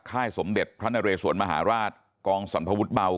ค่ายสมเด็จพระนเรสวนมหาราชกองสรรพวุฒิเบา